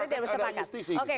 saya enggak bersepakat ada justisi